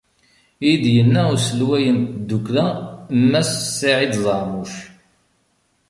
I d-yenna uselway n tdukkla Mass Saɛid Zeɛmuc.